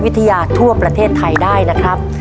ทั่วประเทศไทยได้นะครับ